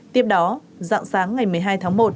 tiếp đó dạng sáng ngày một mươi hai tháng một